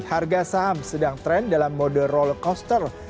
harga saham sedang trend dalam mode roller coaster